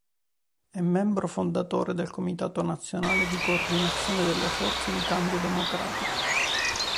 È membro fondatore del Comitato nazionale di coordinazione delle forze di cambio democratico.